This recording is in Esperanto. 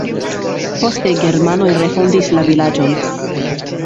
Poste germanoj refondis la vilaĝon.